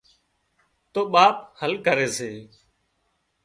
تو ٻاپ حل ڪري سي